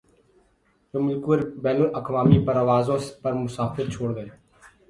جو ملکی اور بین الاقوامی پروازوں پر مسافر چھوڑ گئے